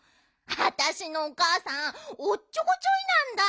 あたしのおかあさんおっちょこちょいなんだ。